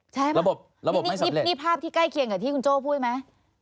ใช่ระบบนี่ภาพที่ใกล้เคียงกับที่คุณโจ้พูดไหม